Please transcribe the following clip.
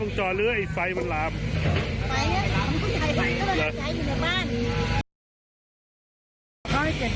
ต้องจากของเข้านะ